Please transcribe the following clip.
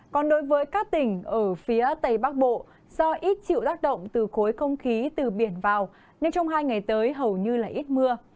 còn đối với các tỉnh ở phía tây bắc bộ do ít chịu tác động từ khối không khí từ biển vào nhưng trong hai ngày tới hầu như là ít mưa